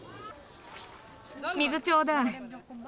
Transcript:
水ちょうだい。